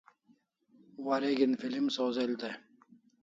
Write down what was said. Wareg'in film sawz'el dai